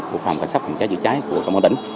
của phòng cháy chữa cháy của công an tỉnh